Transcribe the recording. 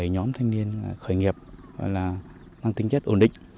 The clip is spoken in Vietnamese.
một mươi bảy nhóm thanh niên khởi nghiệp mang tính chất ổn định